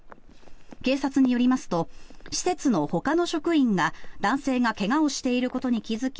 警察によりますと施設のほかの職員が男性が怪我をしていることに気付き